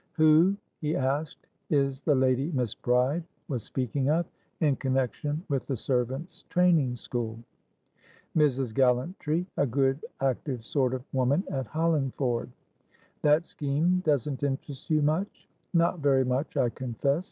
"Who," he asked, "is the lady Miss Bride was speaking of, in connection with the servant's training school?" "Mrs. Gallantry. A good, active sort of woman at Hollingford." "That scheme doesn't interest you much?" "Not very much, I confess.